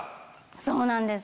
そうなんです。